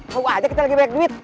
mau aja kita lagi banyak duit